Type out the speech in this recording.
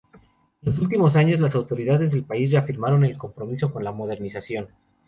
En los últimos años, las autoridades del país reafirmaron el compromiso con la modernización.